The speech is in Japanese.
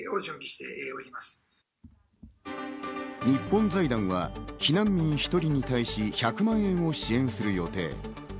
日本財団は避難民１人に対し１００万円を支援する予定。